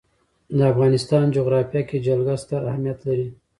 د افغانستان جغرافیه کې جلګه ستر اهمیت لري.